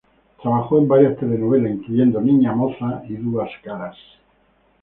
Trabajó en varias telenovelas incluyendo "Niña moza" y "Duas caras".